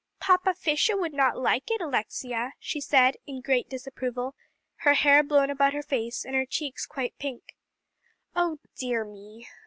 "Papa Fisher would not like it, Alexia," she said in great disapproval, her hair blown about her face, and her cheeks quite pink. "Oh dear me!"